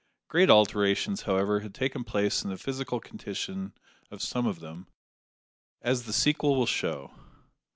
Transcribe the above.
Great alterations, however, had taken place in the physical condition of some of them, as the sequel will show.